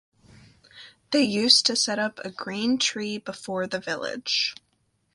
They used to set up a green tree before the village.